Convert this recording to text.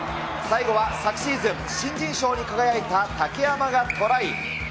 最後は昨シーズン新人賞に輝いた竹山がトライ。